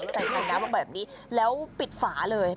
ใส่ถังน้ำลงไปแบบนี้แล้วปิดฝาเลย